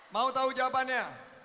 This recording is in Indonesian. mau tahu jawabannya